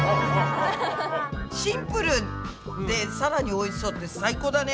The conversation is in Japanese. シンプルでさらにおいしそうって最高だね。